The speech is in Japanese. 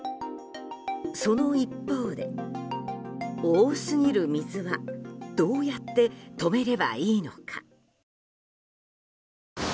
その一方で、多すぎる水はどうやって止めればいいのか。